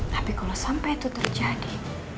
tapi kalau sampai itu terjadi